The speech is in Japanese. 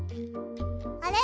あれ？